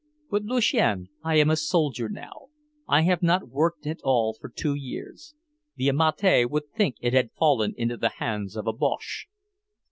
"But, Lucien, I am a soldier now. I have not worked at all for two years. The Amati would think it had fallen into the hands of a Boche."